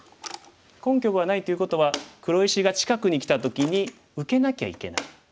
根拠はないということは黒石が近くにきた時に受けなきゃいけない。